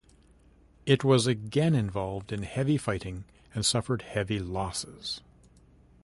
It was again involved in heavy fighting and suffered heavy losses.